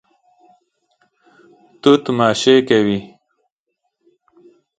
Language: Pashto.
توت ماشې کوي.